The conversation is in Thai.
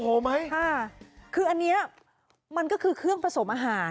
ไหมค่ะคืออันนี้มันก็คือเครื่องผสมอาหาร